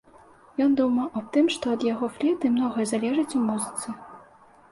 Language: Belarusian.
Ён думаў аб тым, што ад яго флейты многае залежыць у музыцы.